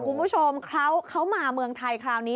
คุณผู้ชมเขามาเมืองไทยคราวนี้